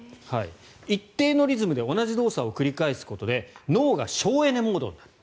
一定のリズムで同じ動作を繰り返すことで脳が省エネモードになると。